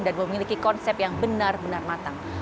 dan memiliki konsep yang benar benar matang